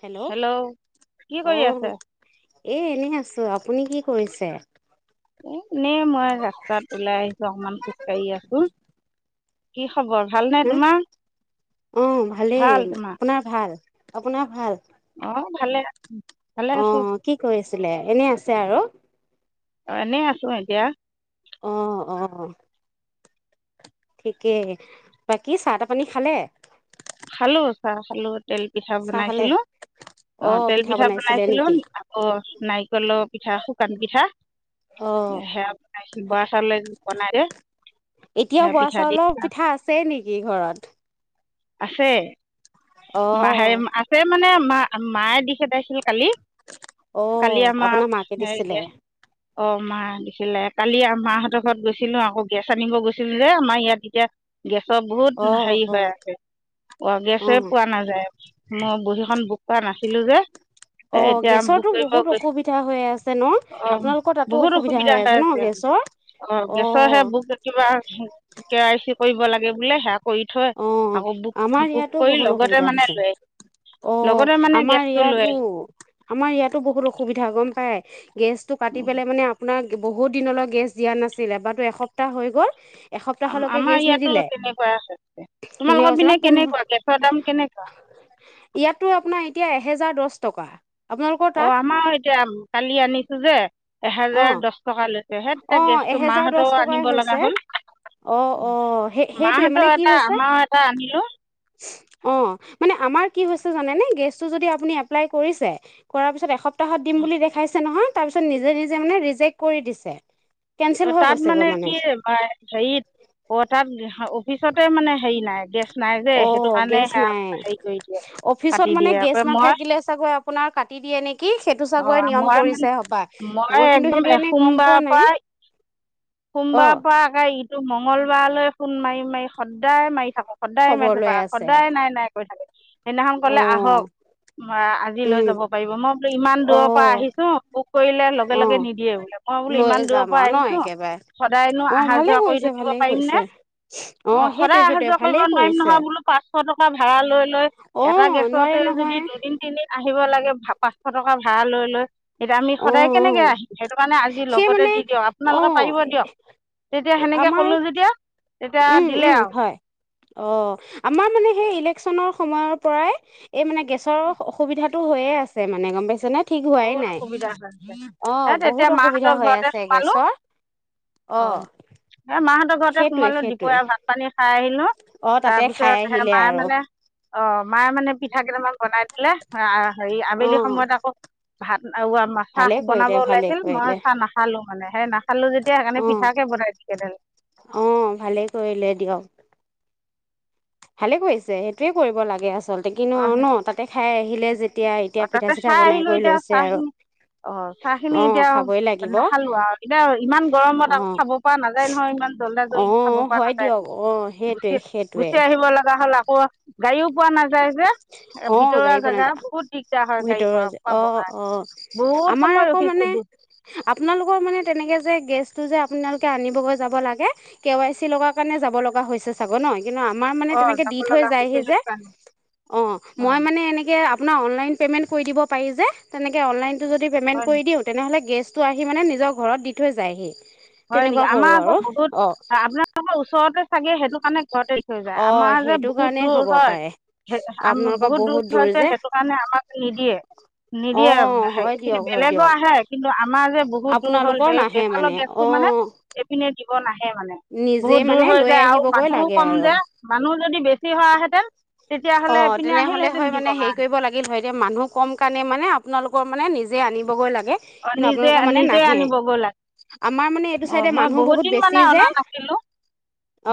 Hello কি কৰি আহ আছে এ এনেই আছো আ আপুনি কি কৰিছে এ এনে মই ৰাস্তাত ওলাই আহিছো অকমান খোজ কঢ়ি আছো স [inaudible] খবৰ ভাল নে হা তোমাৰ অ ভালেই ভাল তোমাৰ আপোনাৰ ভাল আপোনাৰ ভাল অ ভালে আ অ কি কৰি আছ এনে আছে আৰু এনেই আছো এতিয়া আহ আহ ঠিকে বাকী চাহ তাহ পানী খালে। খালো চাহ খালো। তেল পিঠা চাহ খালে বনাইছিলোঁ অ তেল পিঠা বনাইছিলোঁ আকৌ নাৰিকলৰ পিঠা শুকান পিঠা অ সেয়া বনাইছিলোঁ বৰা চাউলৰে বনাই এতিয়াও সেয়া বৰা পিঠা দি। চাউলৰ পিঠা আছে নেকি ঘৰত আছে। অ মাহে আছে মানে মা মায়ে দিছে খেদাইছিল কালি। অ কালি আমাৰ আপোনাৰ মাকে হেৰি গেছ দিছিলে। অ মা দিছিলে কালি মাহঁতৰ ঘৰত গৈছিলো আকৌ গেছ আনিব গৈছিলো যে আমাৰ ইয়াত এতিয়া গেছৰ অ বহুত হেৰি অ হৈ আছে। অ গেছে পোৱা নাযায় মোৰ বহীখন বুক কৰোৱা নাছিলো যে অ এতিয়া বুক গেছৰতো কৰিব বহুত অসুবিধা হৈ আছে ন গৈছো অ আপোনালোকৰ তাতো বহুত অসুবিধা হৈ ন আছে গেছৰ অ গেছৰহে অ বুক কিবা কে আই চি কৰিব লাগে বোলে শে কৈ থ অ আমাৰ ইয়াতো বহুত অসুবিধা হৈছে। লৈ অ লগতে মানে আমাৰ গেছটো ইয়াতো, লৈ আমাৰ ইয়াতো বহুত অসুবিধা গম পাই। গেছটো কাটি পেলাই মানে আপোনাক বহুত দিনলৈ গেছ দিয়া নাছিল এবাৰো এসপ্তাহ হৈ গ'ল এসপ্তাহলৈকে আমাৰ গেছ ইয়াতো নিদিলে। তেনেকুৱা আছে। তোমালোকৰ পিনে পোন্ধ কেনেকুৱা গেচৰ দাম কেনেকুৱা ইয়াতো এতিয়া আপোনাৰ আমাৰ এহেজাৰ দছ টকা আপোনালোকৰ অ তাত? আমাৰো এতিয়া কালি আনিছো যে অ', এহেজাৰ দছ টকা লৈ হে তেতিয়া অ', গেছটো এহেজাৰ দহ মাহঁতও টকাই আনিব হৈছে। লগা হ'ল অ', অ', সেই সেইটোৱে মানে ।মাহঁতৰ কি এটা হৈছে আমাৰ এটা আনিলো। অ মানে আমাৰ কি হৈছে জানে ন গেছটো যদি আপুনি এপ্লাই কৰিছে কৰা পিছত এস সপতাহত দিম বুলি দেখাইছে নহয় তাৰপিছত নি নিজে মানে ৰিজেক্ট কৰি দিছে চে [inaudible] অ তাত মানে কি হেৰিত অ তাত পিছতে মানে হেৰি নাই গেছ নাই যে অ সেইটো কাৰণে গেছ সেয়া নাই হেৰি কৰি দিয়ে অফিচত কাটি মানে দিয়ে গেছ আকৌ মই নাথাকিলে চাগৈ আপোনাৰ কাটি দিয়ে নেকি সেইটো চাগৈ অঁ নিয়ম মই মানে কৰিছে সপাই মই কিন্তু সেইটো এনেই গম পোৱা নাই। সোমবাৰ অ', পৰা আকে ই টো মংগলবাৰলৈ ফোন মাৰি মাৰি সদায় মাৰি থাকো সদায় খবৰ মাৰি লৈ থকা আছে সদায় নাই নাই কৈ থাকে সেইদিনাখন কলে অ', আহক আ আজি লৈ উম, যাব পাৰিব মই বোলো ইমান দূৰৰ পৰা অ', আহিছো বুক কৰিলে লগে লগে অ', নিদিয়ে বোলে মই বোলো লৈ ইমান দূৰৰ যাম পৰা আৰু ন আহিছো একেবাৰে সদায়নো অ', আহা ভালে যোৱা কৰি কৰিছে থাকিব ভালে পাৰিম নে কৰিছে অ সেইটোৱে সদায় আহা সেইটোৱে যোৱা কৰিব ভালেই নোৱাৰিম কৰিছে। নহয় বোলো পাঁচশ টকা ভাড়া লৈ লয় অ এটা গেছতে নোৱাৰে যদি নহয় দুদিন তিনদিন আহ আহিব লাগে ফা পাঁচশ টকা ভাড়া লৈ লয় এতিয়া আমি অ সদায় অ কেনেকে আহিম সেইটো কাৰণে আজি সেই লগতে মানে দি দিয়ক অ আপোনালোকে পাৰিব তেতিয়া সেনেকে আমাৰ ক'লো যেতিয়া তেতিয়া উম দিলে উম আৰু হয় অ আমাৰ মানে সেই ইলেকচনৰ সময়ৰ পৰাই এই মানে গেছৰ অসুবিধাতটো হৈয়ে আছে মানে গম পাইছে নে ঠিক হোৱাই বহুত নাই অসুবিধা অ হে বহুত তেতিয়া অসুবিধা মাহঁতৰ হৈ ঘৰতে আছে সোমালো গেছৰ অ এ মাহঁতৰ ঘৰতে সেইটোৱে সোমালো সেইটোৱে দুপৰীয়া ভাত পানী খাই খাই [unintelligible] খালো অ তাতে খাই তাৰপিছত সে আহিলে মায়ে আৰু মানে অ মায়ে মানে পিঠা কেইটামান বনাই পেলে আ হেৰি অ আবেলি সময়ত আকৌ ভাত আৱা মা ভালে চাহ কৰিলে বনাব ভালে ওলাইছিল মই কৰিলে চাহ নাখালো মানে হে না অ অ ভালেই কৰিলে দিয়ক ভালেই কৰিছে সেইটোৱে কৰিব লাগে আচ আচলতে কিনো অ ন তাতে খাই আহিলে যে অ তাতে চাহ আহিলো এতিয়া চাহ খিনি অ চাহ খিনি অ এতিয়া আউ খাবই লাগিব অ নাখালো আউ এতিয়া ইমান গৰমত আকৌ খাব পৰা নাযায় নহয় ইমান জল্দা অ জলদি খাব পৰা হয় নাযায় দিয়ক অ সেইটোৱে গুচি সেইটোৱে গুচি আহিব লাগে হাল আকৌ আহ, গাড়ীও পোৱা নাযায় যে ভিতৰুৱা জোগা বহুত দিগ। ভিতৰত যে অ অ বহুত আমাৰ সময় আকৌ ৰখিছোঁ মানে আপোনালোকৰ মানে তেনেকে যে, গেছ টো যে আপোনালোকে আনিবগৈ যাব লাগে কে ৱাই চি লগা কাৰণে যাব লগা হৈছে চাগ ন। কিন্তু আমাৰ মানে অ' তেনেকে যাব দি লগা থৈ যায় হৈছে সি। সেইটো কাৰণে অ অ' মই মানে এনেকে, আপোন অনলাইন প্ৰেমেট কৰি দিব পাৰি যে তেনেকে অনলাইন। যদি প্ৰমেট হয় নেকি কৰি দিওঁ তেনেহলে গেছ। টো আহি মানে নিজৰ ঘৰত দি থৈ যায়হি। হয় তেনেকুৱা নেকি কৰোঁ আমাৰ আৰু আকৌ বহুত, অঁ আপোনালোকৰ ওচৰতে চাগে টো কাৰণে ঘৰতে থৈ যায়। অঁ আমাৰ যে সেইটো বহুত কাৰণে দূৰ হ'ব হয় পাৰে বহুত দূৰ হয় যে, সেইটো কাৰণে আমাক নিদিয়ে, নিদিয়ে অঁ হে হয় দিয়ক হয় বেলেগৰ দিয়ক আহে কিন্তু আমাৰ যে বহুত দূৰ হল আপোনালোকৰ সেই নাহে এফালৰ মানে গেছ টো মানে অঁ এইপিনে দিব না সে মানে, নিজেই বহুত দূৰ মানে হৈ লৈ যায় আৰু মানুহো কম যে, মানুহ যদি বেছি হোৱাহেঁতেন অ তেতিয়াহ'লে এইপিনে তেনেহলে আহিলহেঁতেন হয় মানে দিবৰ হেৰি কাৰণে কৰিব লাগিল হয় এতিয়া মানুহ কম কাৰণে মানে আপোনালোক মানে নিজে আনিবগৈ লাগ গে, অঁ কিন্তু নিজে আপোনালোকৰ মানে নিজে নাহে, আনিবগৈ আমাৰ মানে এইটো লাগে অঁ চাইডে মই মানুহ বহুত দিন মানে বেছি যে, অনা নাছিলোঁ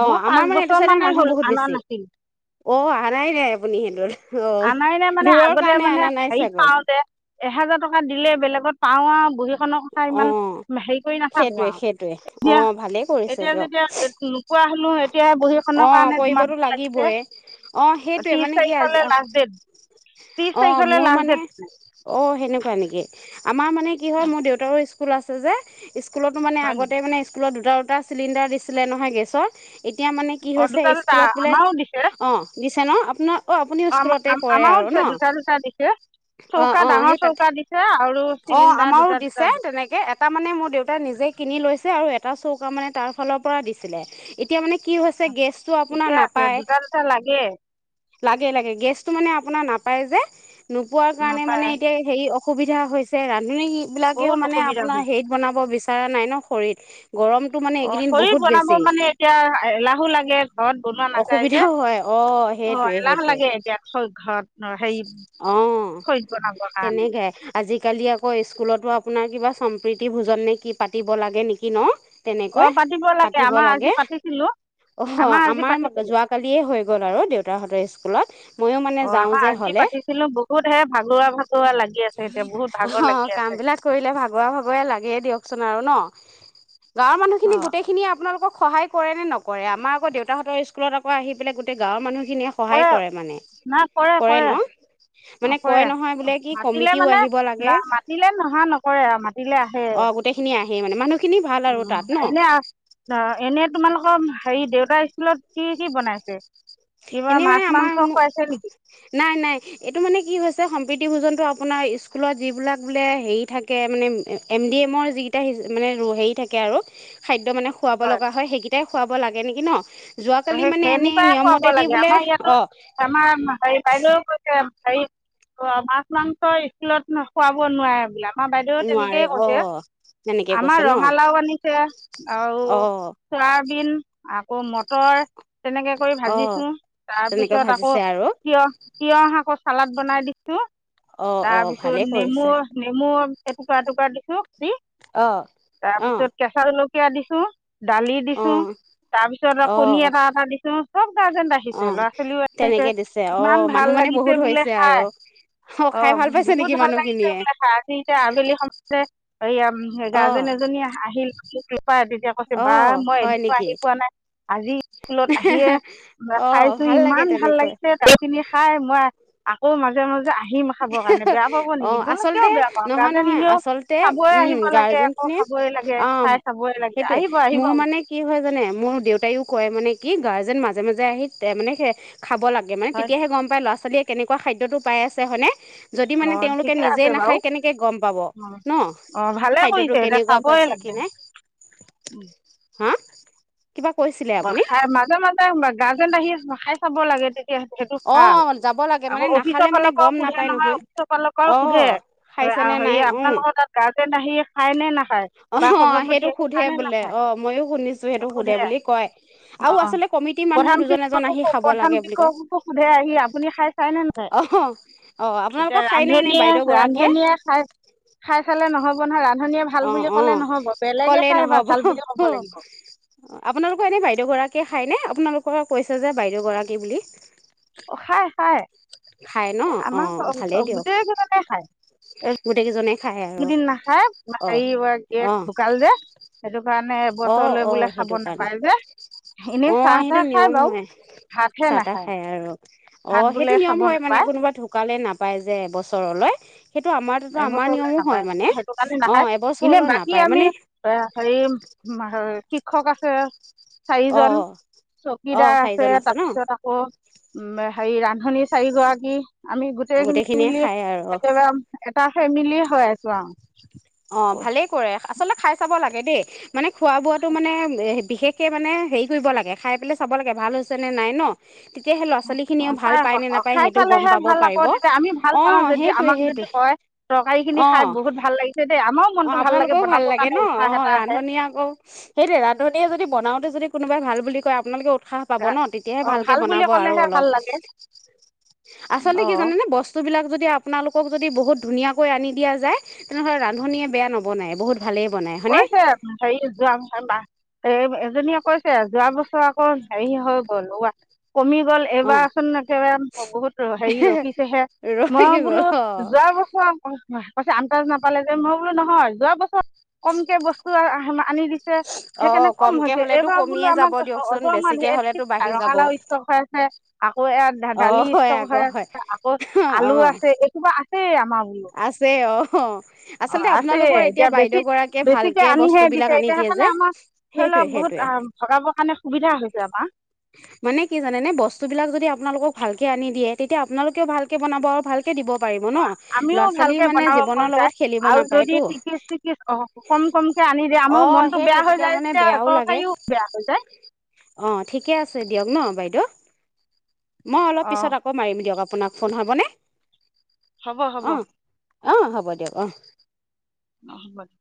অ মই আমাৰ পাঁচ মানে বছৰ এইটো চাইডে মানুহ হ'ল বহুত অনা বেছি। নাছিলোঁ অ অহা নাই নাই আপুনি সিটোত। আনাই নাই মানে আগতে মানে, হেৰিত চাগৈ পাওতে এহেজাৰ টকা দিলে বেলেগত পাওঁ আও বহিৰত কথা অ ইমান হেৰি কৰি নাথাকো সেইটোৱে আও, সেইটোৱে অ এতিয়া ভালেই কৰিছে এতিয়া দিয়ক যেতিয়া নোপোৱা মোৰ এতিয়া অ বহীখনৰ কাৰণে তোমাক কৰিবতো লাগিছে, লাগিবই অ সেইটোৱে ত্ৰিশ মানে কি তাৰিখে আজি লাষ্ট ত্ৰিছ অ তাৰিখলৈ মোৰ লাষ্ট মানে, ডেট অ সেনেকুৱা নেকি আমাৰ মানে কি হয় মোৰ দেউতাৰৰ স্কুল আছে যে স্কুলতো মানে হয় আগতে নেকি মানে স্কুলত দুটা দুটা চিলিণ্ডাৰ দিছিলে নহয় গেছৰ এতিয়া মানে কি অঁ হৈছে দুটা দুটা স্কুলত বোলে, আমাৰো দিছে অ চেন আপোনাৰ অ আপুনি অঁ স্কুলতে কৰে আমাৰো আৰু দিছে ন। দুটা দুটা দিছে অ চৌকা অ ডাঙৰ সেই তাতে, চৌকা দিছে আৰু অ চিলিণ্ডাৰ আমাৰো দুটা দুটা দিছে তেনেকে এটা মানে মোৰ দেউতাই নিজে কিনি লৈছ আৰু এটা চৌকা মানে তাৰ ফালৰ পৰা দিছিলে, এতিয়া মানে কি হয় গেছটো আপোনাৰ ঠিকে আছে নাপায়। দুটা দুটা লাগে লাগে লাগে গেছটো মানে - আপোনাৰ ন পায় যে নোপোৱাৰ কাৰণে মানে নাপায় এতিয়া হেৰি সুবিধা হৈছে ৰা আধুনিক ইবিলাকেও বহুত মানে অসুবিধা আপোনাৰ হৈছে হেৰিত বনাব বিচাৰ নাই ন খৰিত গৰমটো মানে অ এইকেইদিন খৰি বহুত বনাব বেছি মানে এতিয়া এলাহো লাগে ঘৰত বনোৱা নাযায় যে, অসুবিধাও হয় অ অ সেইটোৱে এলাহ সেইটোৱে লাগে এতিয়া ঘৰত অ, হেৰি অ, খৰিত বনাবৰ কাৰণে তেনেকে আজিকালি আকৌ স্কুলতো আ চিনাকি বাছ সম্প্ৰীতি ভোজন নে কি পাত কাটিব লাগে নেকি ন? তেনেকৈ অ পাতিব আমাৰ আজি লাগে। পাতিছিলোঁ অ আজি আমাৰ পাতিছিলোঁ যোৱা কালিয়ে হৈ গ'ল আৰু দেউ তাহাঁতৰ স্কুলত মইও মানে অ যাওঁ আমাৰ যে আজি হলে পাতিছিলো। বহুত হে ভাগৰুৱা ভাগৰুৱা লাগি আছে। এতিয়া বহুত ভাগৰ অ লাগি কাম আছে। বিলাক কৰিলে ভাগৰা ভাগৰে লাগে দিয়কচোন আৰু ন। গাঁৱৰ মানুহখিনি অ গোটেইখিনি আপোনালোকক সহায় কৰে নে নকৰে? আমাৰ আকৌ দেউতাহঁতৰ স্কুলত আকৌ আহি পেলাই গোটেই গাঁৱৰ মানুহ স খিনিয়ে সহায় কৰে মানে। নাই কৰে কৰে, অ মানে কৰে। কয় নহয় বোলে কি মাতিলে কমিটিও মানে আহিব লাগে মাতিলে নহা নকৰে আৰু মাতিলে আহে। আহে মানে মানুহ উ কাইলে অ এনে তোমালোকৰ হেৰি দেউতাৰ স্কুলত কি কি বনাইছে? কিবা এনেই মানে মাছ আমাৰ মাংস খুৱাইছে নেকি নাই, নাই। এইটো মানে কি হৈছে সম্প্ৰীতি ভোজনটো আপোনাৰ স্কুলত যিবিলাক বোলে হেৰি থাকে মানে এম ডি এমৰ যিকেইটা মানে হে থাকে আৰু খাইদ এক মানে খুৱাব লগা হয় সেইকিদিনত। ততে খুৱাব লাগে নেকি ন? যোৱাকালি সেই মানে এনেই সেনেকুৱাই নিয়মত খুৱাব লাগে আমাৰ ইয়াতো আমাৰ হে বাইদেউও গৈছে। হেৰি অ মাছ মাংস স্কুলত খোৱাব নোৱাৰে বোলে আকৌ। আমাৰ বাইদেউও নোৱাৰে তেনেকেই অ কৈছে। তেনেকে আমাৰ কৈছে ন ৰঙালাও আনিছে আৰু অ চয়াবিন আকৌ মত মটৰ তেনেকে কৰি অ ভাজিছো। তাৰ তেনেকে পিছত আকৌ ভাজিছে আৰু তিয়হ, তিয়হ আকৌ চালাদ বনাই দিছো। অ অ তাৰপিছত ভালেই নেমু, কৰিছে নেমু এ টুকুৰা টুকুৰা দিছো। অ অ কাটি কেঁচাজলকী য়া দিছো। দালি অ দিছো। তাৰপিছত অ আক কণী এবাৰ এটা দিছো । চব গাৰ্জেন অ আহিছে ল'ৰা ছোৱালীও আহিছে তেনেকে দিছে অ ইমান ভাল মানুহ মানে লাগিছে বহুত বোলে হৈছে আৰু খাই অ খাই ভাল পাইছে বহুত নেকি ভাল লাগিছে মানুহখিনিয়ে বোলে খাই আজি এতিয়া আবেলি সময়তে এই অ গাৰ্জেন এজনী আহিল কপাই তেতিয়া কৈছে অ বা মই হয় এদিনো নেকি আহি পোৱা নাই আজি স্কুলত আহিয়ে অ খাইছো ভাল লাগে ইমান ভাল তেনেকৈ লাগিছে তাইখিনি খাই মই আকৌ মাজে মাজে আহ অ আচলতে বেয়া পাওঁ নহয় গাৰ্জেন নহয় এনেও আচলতে চাবই উম আহিব লাগে গাৰ্জেন আকৌ খিনি খাবই লাগে অ খাই চাবই লাগে সেইটোয়ে আহিব আহিব মোৰ মানে কি হয় জানে মোৰ দেউতাই । কয় মানে কি গাৰ্জেন মাজে মাজে আহি মানে খাব লাগে মানে হয় নেকি তেয়াহে গম পায় ল' ছালীয়ে কেনেকুৱা খাদ্যটো পাই আছে হয়নে । যদি মানে অঁ তেওঁলোকে ঠিকে নিজেই আছে বাৰু নাখায় কেনেকৈ গম পাব ন অঁ ভালে খাদ্যটো কৰিছে এতিয়া কেনেকুৱা চাবই পাইছে কি লাগে নাই হা কিবা কৈছিলে ম আপুনি খ মাজা মাজা ম গাৰ্জেণ্ট আহি খাই চাব লাগে তে সেইটো অ ভাল যাব লাগে আকৌ মানে নাখালে অফিচৰ মানে কালকেও গম সোধে নাপায় নহয় অফিচৰ কালকেও অ সোধে খাইছেনে হেৰি নাই উম আপোনালোকৰ তাত গাজেন গাজেন আহি খায় নে নাখায় অ বা সেইটো সভাপতিয়েে সোধে খাই নে বোলে নাখায় অ মইয়ো শুনিছো সেইটো সোধে বুলি কয় আৰু অ আচলতে কমিটিৰ মানুহ প্ৰধান দুজন এজন আহি শিক্ষককো খাব প্ৰধান লাগে বুলি কয় শিক্ষককো সোধে আহি আপুনি খাই চাইনে নযাই অ অ এতিয়া আপোনালোকৰ খাই নে এনে ৰান্ধনীয়ে বাইদেউ গৰাকীয়ে ৰান্ধনীয়ে খাই খাই চালে নহব । ৰন্ধা ৰাত অ অ কলে খাই বা নহব ভাল বুলি ক'ব লাগিব আপোনাল এনেই বাইদেউ গৰাকীয়ে খাইনে আপোনালোকৰ কৈছে যে বাইদেউগৰাকী বুলি অ খাই খায় খাই ন এ অ আমাৰ চ ভালেই দিয়ক গোটেই কেইজনে খায় এ গোটেইকেইজনে খায় আৰু কেদিন নাখা অ এই গ অ ঢুকাল দে সেইটো মানে অ এবছৰলৈ অ বোলে খাব সেইটো কাৰণে নাপায় যে অ এনেই চাহ সেইটো তাহ খায় নিয়ম বাৰু হয় ভাতহে চাহ তাহ নাখায় খাই আৰু অ ভাত বোলে সেইটো নিয়ম খাব হয় মানে নাপায় কোনোবা ঢুকালে নাপায় যে এবছৰলৈ সেইটো আমাৰ তাতো আমাৰ এইবছৰলৈ নিয়মো হয় নাপায় মানে সেইটো কাৰণে অ নাখায় এনে এবছৰলৈ বাকী নাপায় আমি মানে এ হেৰি মানে শিক্ষক আছে। অ চাৰিজন অ চকীদাৰ আছে চাৰিজন ন তাৰপিছত আকৌ উম হেৰি ৰান্ধনী চাৰিগৰাকী। আমি গোটেই খিনি গোটেইখিনিয়ে মিলি খায় আৰু একেবাৰে তাৰ ফেমিলি হৈ আছো আৰু অ ভালেই কৰে আচলতে খাই চাব লাগে। হে দেই মানে। খোৱা বোৱাটো মানে এ বিশেষ কে মানে হেৰি কৰিব লাগে খাই পেলাই চাব লাগে ভাল হৈছেনে নাই ন। তেতিয়া সেই ল'ৰা ছোৱালী খিনিও ভাল চাই পায় নে আক নাপায় খাই সেইটো গম চালেহে পাব ভাল আকৌ পাৰিব তেতিয়া আমি ভাল অ পাওঁ যদি সেইটোৱে আমাক যদি সেইটোৱে কয় তৰকাৰী খিনি অ খাই বহুত ভাল লাগিছে। দেই আমাৰো অ মনটো লাগে আপোনালোকৰও ভাল বনাবৰ লাগে কাৰণে ন উৎসাহ অ এটা আহে ৰান্ধনীয়ে আকৌ সেইটোয়ে ৰান্ধনীয়ে যদি বনাওঁতে যদি কোনোবাই ভাল বুলি কয় আপোনালোকেও উৎসাহ পাব গা- ন তেতিয়াহে অ ভালকে ভাল বুলি বনাব আৰু ক'লেহে অলপ ভাল লাগে আচলতে অ কি জানেনে বস্তু বিলাক যদি যে আপোনালোকক যদি বহুত ধুনীয়া কৈ আনি দিয়া যায় তেনেহলে ৰা ন্ধনিয়ে বেয়া নবনাই বহুত কৈছে সেই যো আমি খাংবা এই এজনীয়ে কৈছে যোৱা বছৰ আকৌ হেৰি হৈ গ'ল ওবা কমি গল অ এইবাৰচোন একেবাৰে বহুত হেৰি ৰখিছেহে মই ৰহি গ'ল বোলো অ যোৱা বছৰ কৈছে আণ্ডাজ নাপালে যে মই বোলো নহয় যোৱা বছৰ টোৰ আহে না আনি দিছে অ সেইকাৰণে কম কমকে হৈছে হ'লেতো এইবাৰ বোলো কমিয়ে যাব আমাক দিয়কচোন অজাৰ অমৰ বেছিকে ধেই হ'লেতো দেখিছে বাঢ়ি যাব ৰঙালাও স্তক হৈ আছে আকৌ ইয়াত অ দালি হয় ষ্টক হৈ আকৌ আছে হয় আকৌ অ আলু আছে একেবাৰে আ আছে অ অ অ আচলতে আছে আপোনালোকৰ এতিয়া বেছি বাইদেউ গৰাকী বেছিকে আনিহে দিছে এতিয়া সেইকাৰণে আমাৰ ধৰি সেইটোৱে লওক সেইটোৱে বহুত ভগাবৰ কাৰণে সুবিধা হৈছে আমা। মানে কি জানেনে বস্তু বিলাক যদি আপোনালোকক ভালকে আনি দিয়ে তেতিয়া আপোনালোকেও ভালকে বনাব আৰু ভালকে দিব পাৰিব ন অ আমিও ল'ৰা ছোৱালী ভালকে মানে বনাব মন জীৱনৰ লগত যায় খেলিব আৰু যদি নাপায়তো টিকিচ টিকিচ কম কমকে আনি দিয়ে আমাৰ অ মনটো সেইটো বেয়া হৈ তেতিয়া যায় মানে যেতিয়া বেয়াও লাগে তৰকাৰীও বেয়া হৈ যায় অ ঠিকে আছে দিয়ক ন বাইদেউ। মই অলপ অ পিছত আকৌ মাৰিম দিয়ক আপো নাক ফোন হ'বনে হ'ব হ'ব অ অ হ'ব দিয়ক অ অ হব দে